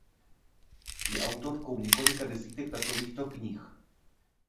Je autorkou několika desítek takovýchto knih.